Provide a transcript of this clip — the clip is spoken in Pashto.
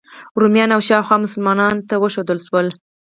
رومیانو او شاوخوا مسلمانانو ته وښودل شول.